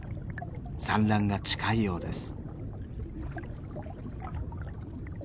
産卵が近いようです。